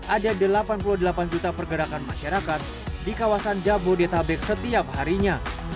ada delapan puluh delapan juta pergerakan masyarakat di kawasan jabodetabek setiap harinya